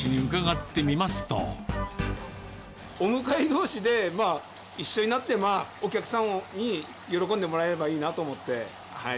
お向かいどうしで、まあ、一緒になって、お客さんに喜んでもらえればいいなと思って。